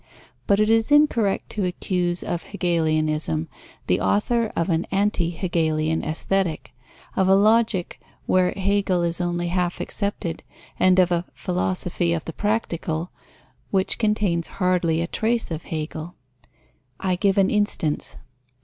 But it is incorrect to accuse of Hegelianism the author of an anti hegelian Aesthetic, of a Logic where Hegel is only half accepted, and of a Philosophy of the Practical, which contains hardly a trace of Hegel. I give an instance.